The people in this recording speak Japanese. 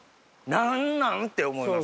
「何なん？」って思います。